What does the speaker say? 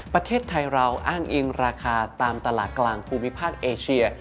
ประเทศไทยเราอ้างอิงราคาตามตลาดกลางภูมิภาคเอเชีย